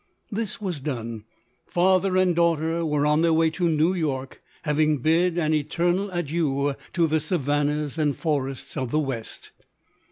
This was done. Father and daughter were on their way to New York, having bid an eter nal adieu to the savannas and forests of the west.